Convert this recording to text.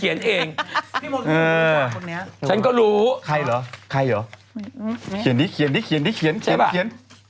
อยู่เนี่ยแองจี